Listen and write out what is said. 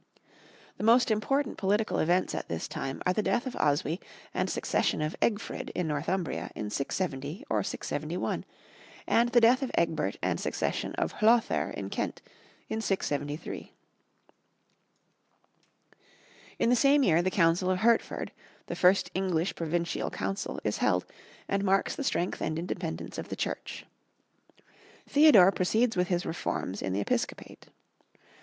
The most important political events at this time are the death of Oswy and succession of Egfrid in Northumbria in 670 or 671, and the death of Egbert and succession of Hlothere in Kent in 673. In the same year the Council of Hertford, the first English provincial council, is held, and marks the strength and independence of the Church. Theodore proceeds with his reforms in the episcopate.